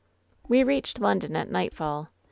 "We reached London at nightfall.